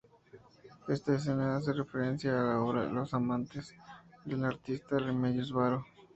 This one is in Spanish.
Esta escena hace referencia a la obra "Los Amantes", de la artista Remedios Varo.